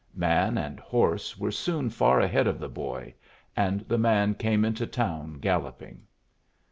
Man and horse were soon far ahead of the boy, and the man came into town galloping.